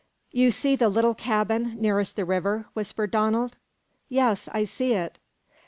"You see the little cabin nearest the river?" whispered Donald. "Yes, I see it."